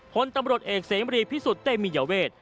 ผลตำรวจเอกเสมรีพิสุทธิเตมียเวท